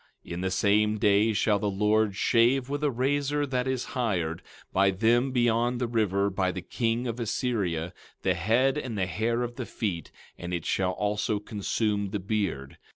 17:20 In the same day shall the Lord shave with a razor that is hired, by them beyond the river, by the king of Assyria, the head, and the hair of the feet; and it shall also consume the beard.